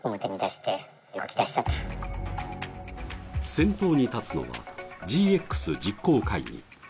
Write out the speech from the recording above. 先頭に立つのはＧＸ実行会議。